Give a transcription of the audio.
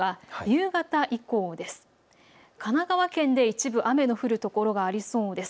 神奈川県で一部雨の降る所がありそうです。